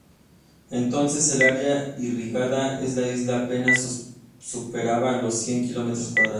Entonces, el área irrigada en la isla apenas superaba los cien kilómetros cuadrados.